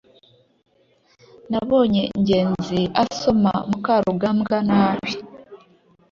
nabonye ngenzi asoma mukarugambwa nabi